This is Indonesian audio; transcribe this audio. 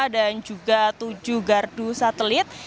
dan juga tujuh gardu satelit